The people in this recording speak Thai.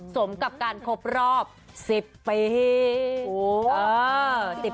สมกับการครบรอบ๑๐ปี